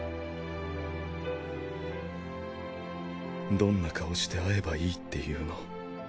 どんな顔して会えばいいっていうの。